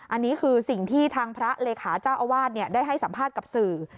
อันนี้คือสิ่งที่ทางพระเลขาเจ้าอาวาสได้ให้สัมภาษณ์กับสื่อ